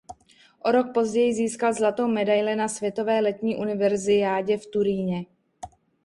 O rok později získal zlatou medaili na světové letní univerziádě v Turíně.